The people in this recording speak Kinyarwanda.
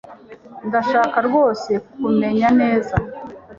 Ndashaka rwose kukumenya neza